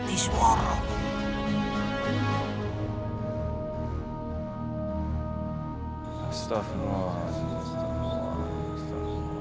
seseorang yang melihatnya